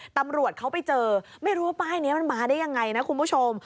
ตำรวจเขาไปเจอไม่รู้ว่าป้ายนี้มันมาได้ยังไงนะคุณผู้ชม